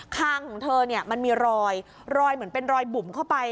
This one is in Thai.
คางของเธอเนี่ยมันมีรอยรอยเหมือนเป็นรอยบุ่มเข้าไป